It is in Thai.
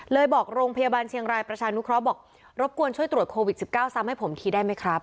บอกโรงพยาบาลเชียงรายประชานุเคราะห์บอกรบกวนช่วยตรวจโควิด๑๙ซ้ำให้ผมทีได้ไหมครับ